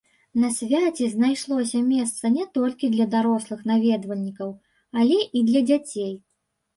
На свяце знайшлося месца не толькі для дарослых наведвальнікаў, але і для дзяцей.